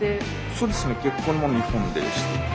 そうですね結婚も日本でしたので。